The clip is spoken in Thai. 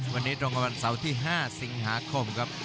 วันนี้ตรงกับวันเสาร์ที่๕สิงหาคมครับ